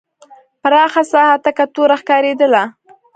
پراخه ساحه تکه توره ښکارېدله.